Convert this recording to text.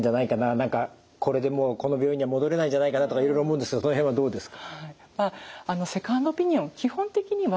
何かこれでもうこの病院には戻れないんじゃないかなとかいろいろ思うんですけどその辺はどうですか？